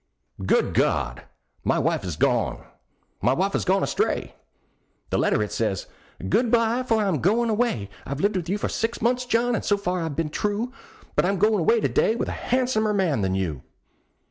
Good God! my wife is gone! my wife is gone astray! The letter it says, "Good bye, for I'm a going away; I've lived with you six months, John, and so far I've been true; But I'm going away to day with a handsomer man than you."